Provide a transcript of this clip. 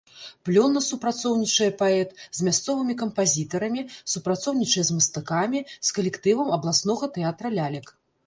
Плённа супрацоўнічае паэт з мясцовымі кампазітарамі, супрацоўнічае з мастакамі, з калектывам абласнога тэатра лялек.